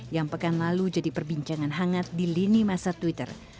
yang pekan lalu jadi perbincangan hangat di lini masa twitter